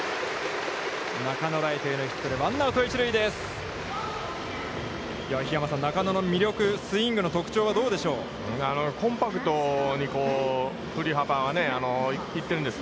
中野、ライトへのヒットでワンアウト、ランナー一塁です。